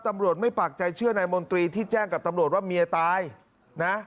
ตำรวจไม่ปากใจเชื่อนายมนตรีที่แจ้งกับตำรวจว่าเมียตายนะ